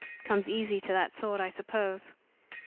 Comes easy to that sort, I suppose."